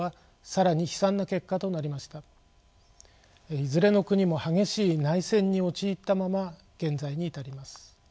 いずれの国も激しい内戦に陥ったまま現在に至ります。